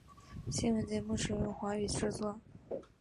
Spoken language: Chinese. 新闻节目使用华语制作。